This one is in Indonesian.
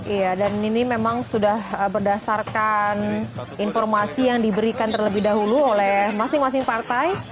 iya dan ini memang sudah berdasarkan informasi yang diberikan terlebih dahulu oleh masing masing partai